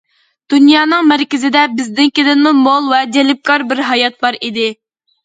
دۇنيانىڭ مەركىزىدە بىزنىڭكىدىنمۇ مول ۋە جەلپكار بىر ھايات بار ئىدى.